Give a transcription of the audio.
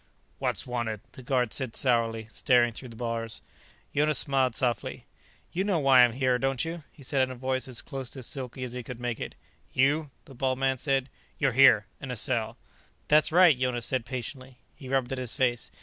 "What's wanted?" the guard said sourly, staring through the bars. Jonas smiled softly. "You know why I'm here, don't you?" he said in a voice as close to silky as he could make it. "You?" the bald man said. "You're here. In a cell." "That's right," Jonas said patiently. He rubbed at his face.